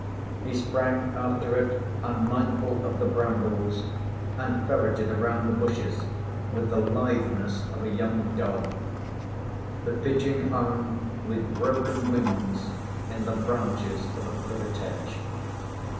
He sprang after it, unmindful of the brambles, and ferreted around the bushes with the litheness of a young dog. The pigeon hung with broken wings in the branches of a privet hedge.